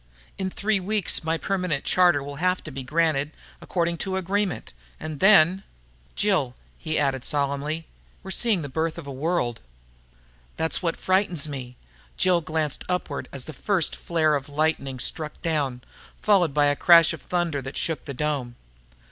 In three weeks my permanent charter will have to be granted, according to agreement, and then.... "Jill," he added solemnly, "we're seeing the birth of a world." "That's what frightens me." Jill glanced upward as the first flare of lightning struck down, followed by a crash of thunder that shook the dome.